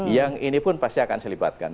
yang ini pun pasti akan selibatkan